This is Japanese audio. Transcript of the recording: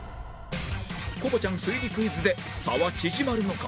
『コボちゃん』推理クイズで差は縮まるのか？